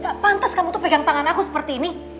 gak pantas kamu tuh pegang tangan aku seperti ini